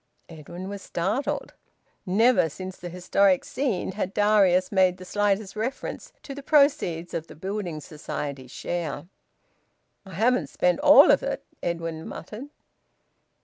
Edwin was startled. Never since the historic scene had Darius made the slightest reference to the proceeds of the Building Society share. "I haven't spent all of it," Edwin muttered.